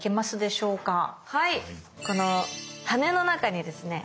この羽の中にですね